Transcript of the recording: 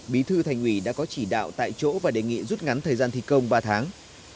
bí thư thành ủy đã có chỉ đạo tại chỗ và đề nghị rút ngắn thời gian thi công ba tháng